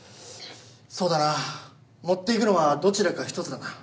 そうだな持っていくのはどちらかひとつだな。